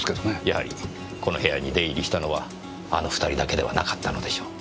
やはりこの部屋に出入りしたのはあの２人だけではなかったのでしょう。